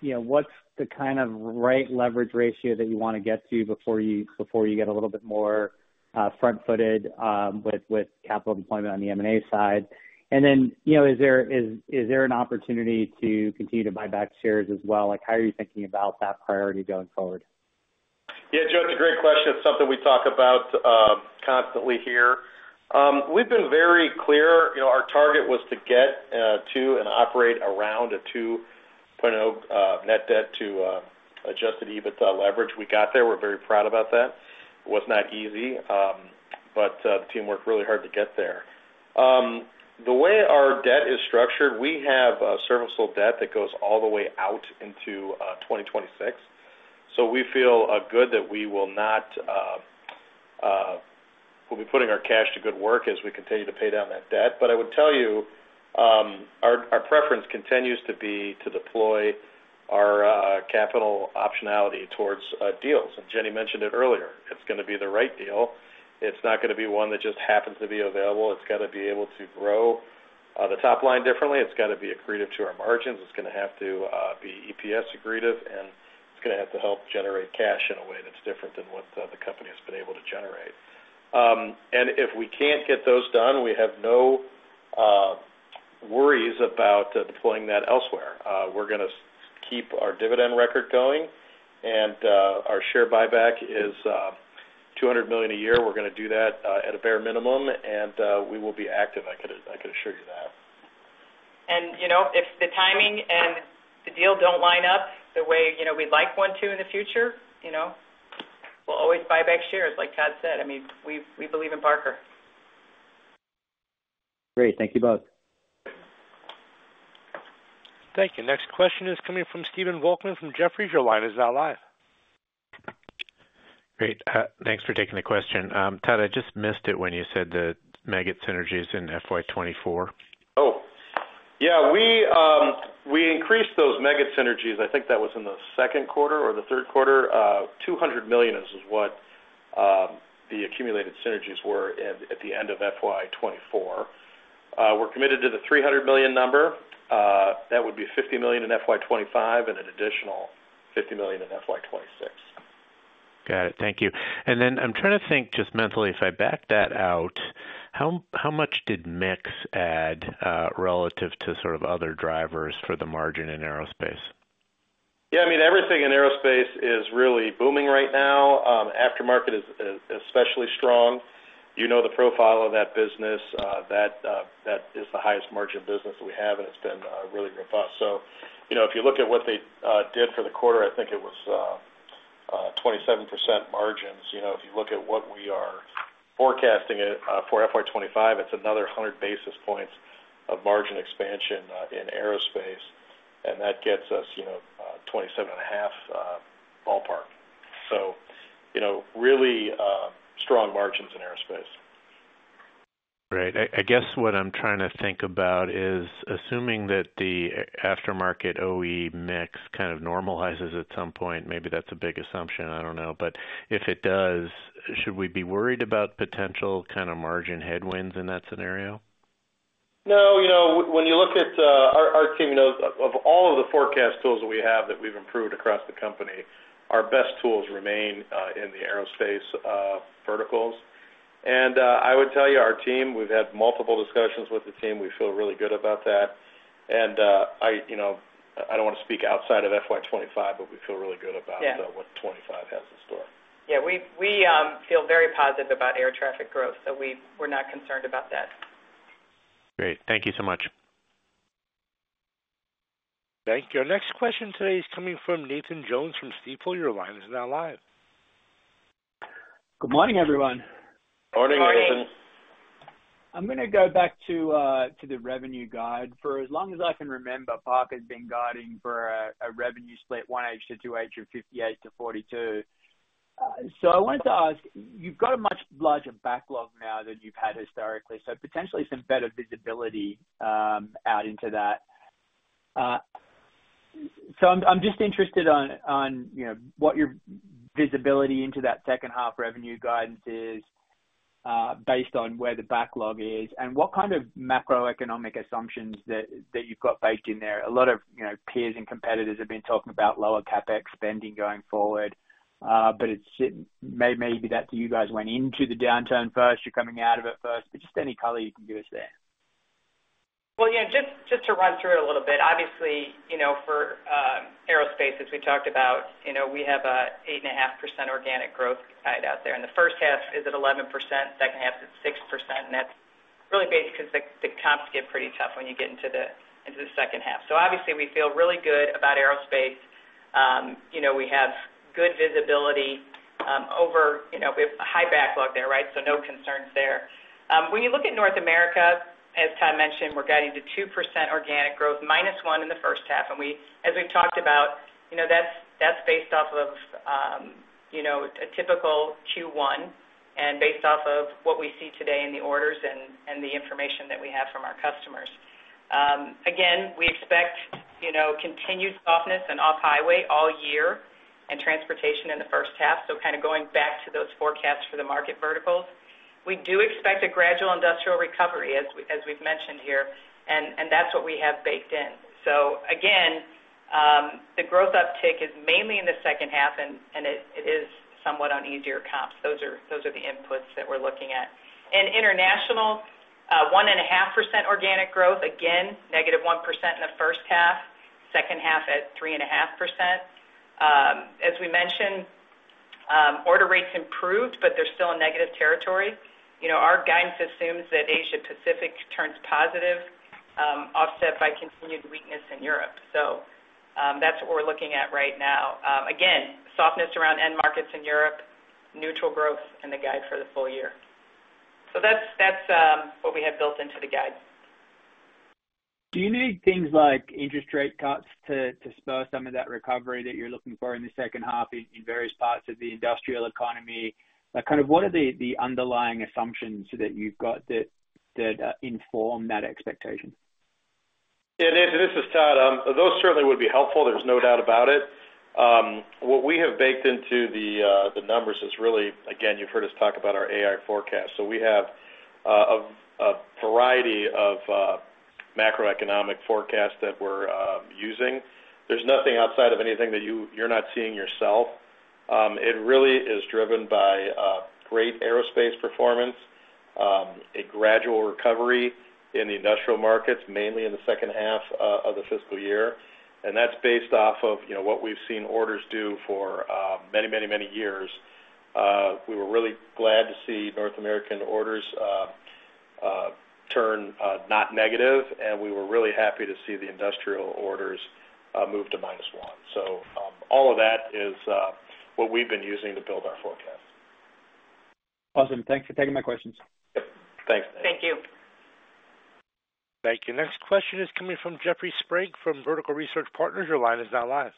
you know, what's the kind of right leverage ratio that you wanna get to before you get a little bit more front-footed with capital deployment on the M&A side? And then, you know, is there an opportunity to continue to buy back shares as well? Like, how are you thinking about that priority going forward?... Yeah, Judd, it's a great question. It's something we talk about constantly here. We've been very clear, you know, our target was to get to and operate around a 2.0 net debt to adjusted EBITDA leverage. We got there. We're very proud about that. It was not easy, but the team worked really hard to get there. The way our debt is structured, we have a serviceable debt that goes all the way out into 2026. So we feel good that we will not, we'll be putting our cash to good work as we continue to pay down that debt. But I would tell you, our preference continues to be to deploy our capital optionality towards deals. And Jenny mentioned it earlier, it's gonna be the right deal. It's not gonna be one that just happens to be available. It's got to be able to grow the top line differently. It's got to be accretive to our margins. It's gonna have to be EPS accretive, and it's gonna have to help generate cash in a way that's different than what the company has been able to generate. And if we can't get those done, we have no worries about deploying that elsewhere. We're gonna keep our dividend record going, and our share buyback is $200 million a year. We're gonna do that at a bare minimum, and we will be active. I could, I could assure you that. And, you know, if the timing and the deal don't line up the way, you know, we'd like one to in the future, you know, we'll always buy back shares, like Todd said. I mean, we believe in Parker. Great. Thank you both. Thank you. Next question is coming from Stephen Volkmann from Jefferies. Your line is now live. Great, thanks for taking the question. Todd, I just missed it when you said the Meggitt synergies in FY2024. Oh, yeah, we, we increased those Meggitt synergies. I think that was in the second quarter or the third quarter. $200 million is, is what, the accumulated synergies were at, at the end of FY2024. We're committed to the $300 million number. That would be $50 million in FY2025 and an additional $50 million in FY2026. Got it. Thank you. Then I'm trying to think just mentally, if I back that out, how much did mix add, relative to sort of other drivers for the margin in Aerospace? Yeah, I mean, everything in aerospace is really booming right now. Aftermarket is especially strong. You know, the profile of that business that is the highest margin business we have, and it's been really robust. So, you know, if you look at what they did for the quarter, I think it was 27% margins. You know, if you look at what we are forecasting for FY2025, it's another 100 basis points of margin expansion in aerospace, and that gets us, you know, 27.5 ballpark. So, you know, really strong margins in aerospace. Great. I guess what I'm trying to think about is assuming that the aftermarket OE mix kind of normalizes at some point, maybe that's a big assumption, I don't know. But if it does, should we be worried about potential kind of margin headwinds in that scenario? No, you know, when you look at, our team knows of all of the forecast tools that we have that we've improved across the company, our best tools remain in the Aerospace verticals. I would tell you, our team, we've had multiple discussions with the team. We feel really good about that, and, you know, I don't want to speak outside of FY2025, but we feel really good about- Yeah... what 2025 has in store. Yeah, we feel very positive about air traffic growth, so we're not concerned about that. Great. Thank you so much. Thank you. Our next question today is coming from Nathan Jones from Stifel. Your line is now live. Good morning, everyone. Morning, Nathan. Morning. I'm gonna go back to the revenue guide. For as long as I can remember, Parker's been guiding for a revenue split 1H to 2H of 58-42. So I wanted to ask, you've got a much larger backlog now than you've had historically, so potentially some better visibility out into that. So I'm just interested on, you know, what your visibility into that second half revenue guidance is, based on where the backlog is and what kind of macroeconomic assumptions that you've got baked in there. A lot of, you know, peers and competitors have been talking about lower CapEx spending going forward, but maybe that you guys went into the downturn first, you're coming out of it first, but just any color you can give us there. Well, yeah, just to run through it a little bit, obviously, you know, for aerospace, as we talked about, you know, we have 8.5% organic growth guide out there, and the first half is at 11%, second half is 6%, and that's really based because the comps get pretty tough when you get into the second half. So obviously, we feel really good about aerospace. You know, we have good visibility over, you know, we have a high backlog there, right? So no concerns there. When you look at North America, as Todd mentioned, we're guiding to 2% organic growth, minus 1% in the first half. As we've talked about, you know, that's based off of, you know, a typical Q1, and based off of what we see today in the orders and the information that we have from our customers. Again, we expect, you know, continued softness in off-highway all year and transportation in the first half, so kind of going back to those forecasts for the market verticals. We do expect a gradual industrial recovery, as we've mentioned here, and that's what we have baked in. So again, the growth uptick is mainly in the second half, and it is somewhat on easier comps. Those are the inputs that we're looking at. In international, 1.5% organic growth, again, -1% in the first half, second half at 3.5%. As we mentioned, order rates improved, but they're still in negative territory. You know, our guidance assumes that Asia Pacific turns positive, offset by continued weakness in Europe. So, that's what we're looking at right now. Again, softness around end markets in Europe, neutral growth in the guide for the full year. So that's what we have built into the guide. Do you need things like interest rate cuts to spur some of that recovery that you're looking for in the second half in various parts of the industrial economy? Like, kind of, what are the underlying assumptions that you've got that inform that expectation? Yeah, Nathan, this is Todd. Those certainly would be helpful, there's no doubt about it. What we have baked into the numbers is really, again, you've heard us talk about our AI forecast. So we have a variety of macroeconomic forecasts that we're using. There's nothing outside of anything that you, you're not seeing yourself. It really is driven by great aerospace performance, a gradual recovery in the industrial markets, mainly in the second half of the fiscal year, and that's based off of, you know, what we've seen orders do for many, many, many years. We were really glad to see North American orders turn not negative, and we were really happy to see the industrial orders move to minus one. All of that is what we've been using to build our forecast. Awesome. Thanks for taking my questions. Yep. Thanks, Nathan. Thank you. Thank you. Next question is coming from Jeffrey Sprague, from Vertical Research Partners. Your line is now live.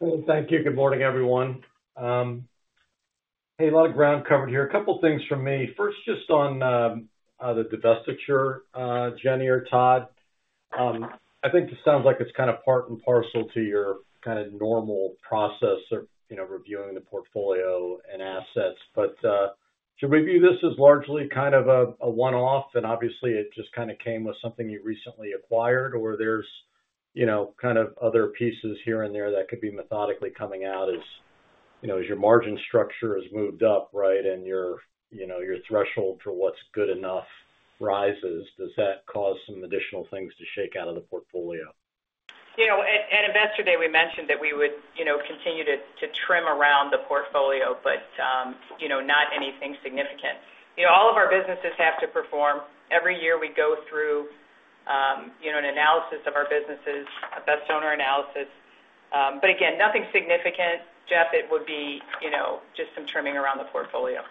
Well, thank you. Good morning, everyone. Hey, a lot of ground covered here. A couple things from me. First, just on the divestiture, Jenny or Todd. I think this sounds like it's kind of part and parcel to your kind of normal process of, you know, reviewing the portfolio and assets. But should we view this as largely kind of a one-off, and obviously it just kind of came with something you recently acquired, or there's, you know, kind of other pieces here and there that could be methodically coming out as, you know, as your margin structure has moved up, right, and your, you know, your threshold for what's good enough rises? Does that cause some additional things to shake out of the portfolio? You know, at Investor Day, we mentioned that we would, you know, continue to trim around the portfolio, but, you know, not anything significant. You know, all of our businesses have to perform. Every year we go through, you know, an analysis of our businesses, a best owner analysis, but again, nothing significant, Jeff. It would be, you know, just some trimming around the portfolio.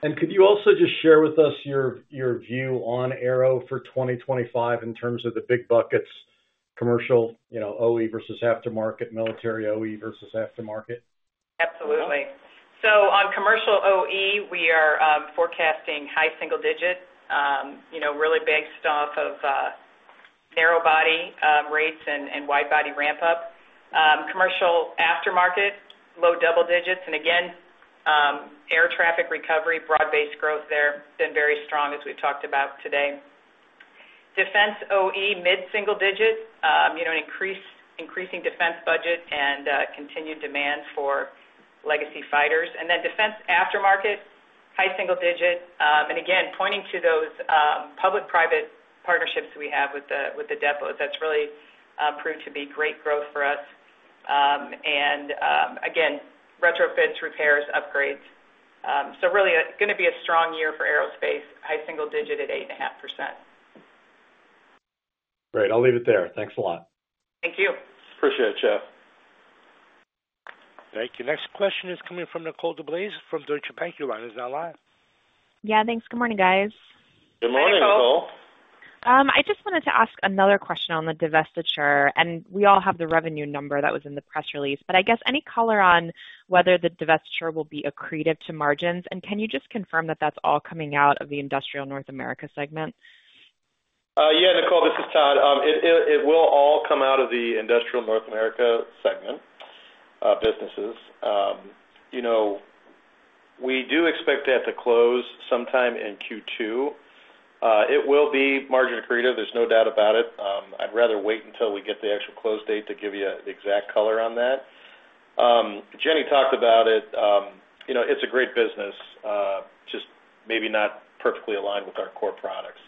Could you also just share with us your view on Aero for 2025 in terms of the big buckets, commercial, you know, OE versus aftermarket, military OE versus aftermarket? Absolutely. So on commercial OE, we are forecasting high single-digits, you know, really based off of narrow-body rates and wide-body ramp up. Commercial aftermarket, low double-digits, and again, air traffic recovery, broad-based growth there, been very strong as we've talked about today. Defense OE, mid single-digits, you know, increasing defense budget and continued demand for legacy fighters. And then defense aftermarket, high single-digits, and again, pointing to those public-private partnerships we have with the depots. That's really proved to be great growth for us. And again, retrofits, repairs, upgrades. So really, it's gonna be a strong year for aerospace, high single-digit at 8.5%. Great. I'll leave it there. Thanks a lot. Thank you. Appreciate it, Jeff. Thank you. Next question is coming from Nicole DeBlase, from Deutsche Bank. Your line is now live. Yeah, thanks. Good morning, guys. Good morning, Nicole. Good morning, Nicole. I just wanted to ask another question on the divestiture, and we all have the revenue number that was in the press release. But I guess any color on whether the divestiture will be accretive to margins, and can you just confirm that that's all coming out of the industrial North America segment? Yeah, Nicole, this is Todd. It will all come out of the industrial North America segment businesses. You know, we do expect that to close sometime in Q2. It will be margin accretive, there's no doubt about it. I'd rather wait until we get the actual close date to give you the exact color on that. Jenny talked about it. You know, it's a great business, just maybe not perfectly aligned with our core products.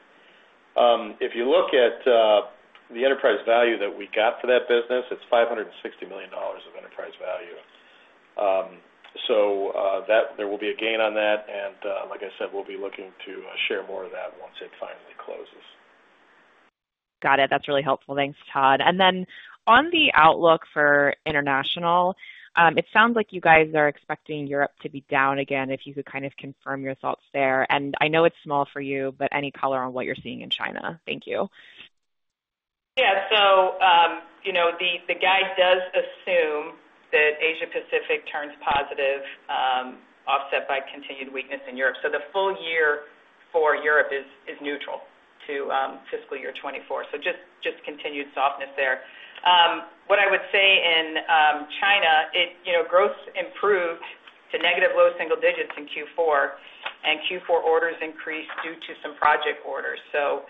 If you look at the enterprise value that we got for that business, it's $560 million of enterprise value. So, that there will be a gain on that, and, like I said, we'll be looking to share more of that once it finally closes. Got it. That's really helpful. Thanks, Todd. And then on the outlook for international, it sounds like you guys are expecting Europe to be down again, if you could kind of confirm your thoughts there. And I know it's small for you, but any color on what you're seeing in China? Thank you. Yeah. So, you know, the guide does assume that Asia Pacific turns positive, offset by continued weakness in Europe. So the full year for Europe is neutral to fiscal year 2024. So just continued softness there. What I would say in China, it... You know, growth improved to negative low single digits in Q4, and Q4 orders increased due to some project orders. So,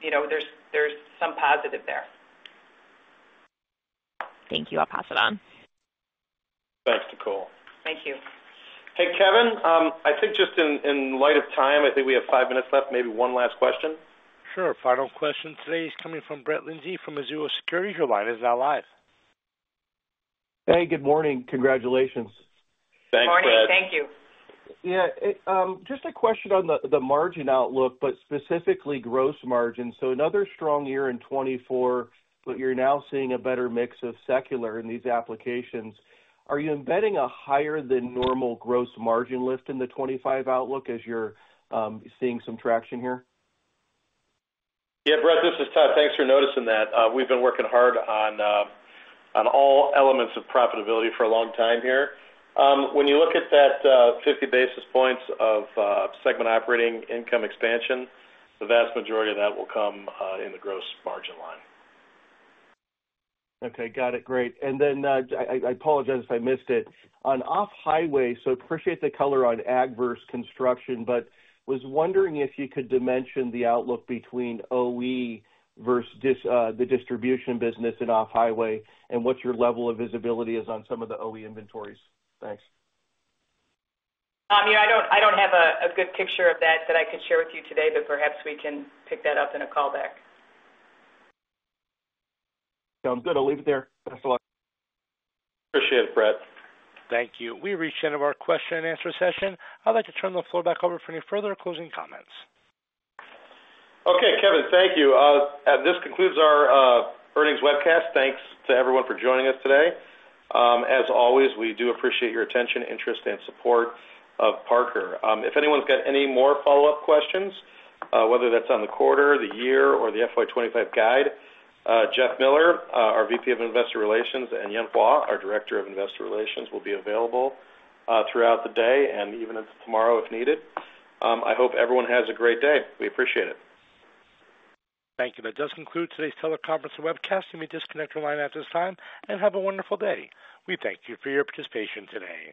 you know, there's some positive there. Thank you. I'll pass it on.... Hey, Kevin, I think just in light of time, I think we have five minutes left, maybe one last question. Sure. Final question today is coming from Brett Linzey from Mizuho Securities. Your line is now live. Hey, good morning. Congratulations. Thanks, Brett. Good morning. Thank you. Yeah, it just a question on the margin outlook, but specifically gross margin. So another strong year in 2024, but you're now seeing a better mix of secular in these applications. Are you embedding a higher than normal gross margin lift in the 2025 outlook as you're seeing some traction here? Yeah, Brett, this is Todd. Thanks for noticing that. We've been working hard on all elements of profitability for a long time here. When you look at that 50 basis points of segment operating income expansion, the vast majority of that will come in the gross margin line. Okay. Got it. Great. And then I apologize if I missed it. On off-highway, so appreciate the color on adverse construction, but was wondering if you could dimension the outlook between OE versus the distribution business in off-highway, and what your level of visibility is on some of the OE inventories? Thanks. Yeah, I don't have a good picture of that I could share with you today, but perhaps we can pick that up in a call back. Sounds good. I'll leave it there. Thanks a lot. Appreciate it, Brett. Thank you. We've reached the end of our question and answer session. I'd like to turn the floor back over for any further closing comments. Okay, Kevin, thank you. This concludes our earnings webcast. Thanks to everyone for joining us today. As always, we do appreciate your attention, interest, and support of Parker. If anyone's got any more follow-up questions, whether that's on the quarter, the year, or the FY2025 guide, Jeff Miller, our VP of Investor Relations, and Yan Huo, our Director of Investor Relations, will be available throughout the day and even into tomorrow, if needed. I hope everyone has a great day. We appreciate it. Thank you. That does conclude today's teleconference and webcast. You may disconnect your line at this time, and have a wonderful day. We thank you for your participation today.